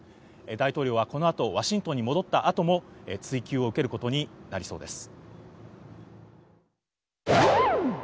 大統領はこのあと、ワシントンに戻ったあとも、追及を受けることになりそうです。